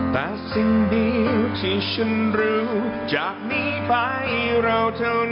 แต่สิ่งดีที่ฉันรู้จากนี้ไปเราเท่านั้น